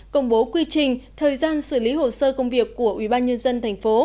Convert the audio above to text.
công bố quy trình thời gian xử lý hồ sơ công việc của ủy ban nhân dân tp